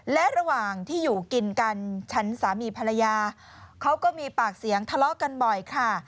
และระหว่างที่อยู่กินกันฉันสามีภรรยาเขาก็มีปากเสียงทะเลาะกันบ่อยค่ะ